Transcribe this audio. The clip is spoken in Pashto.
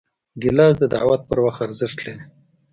ګیلاس د دعوت پر وخت ارزښت لري.